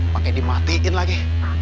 pakai dimatiin lagi